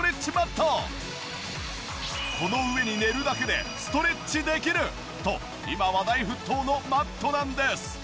この上に寝るだけでストレッチできると今話題沸騰のマットなんです。